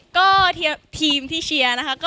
ก็ทีมที่เชียร์นะคะ